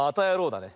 だね。